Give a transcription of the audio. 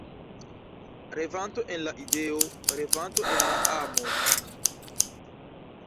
Revanto en la ideo, revanto en la amo.